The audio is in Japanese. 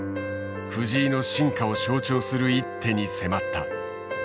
藤井の進化を象徴する一手に迫った。